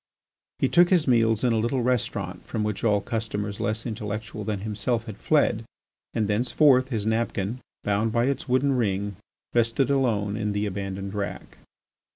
He took his meals in a little restaurant from which all customers less intellectual than himself had fled, and thenceforth his napkin bound by its wooden ring rested alone in the abandoned rack.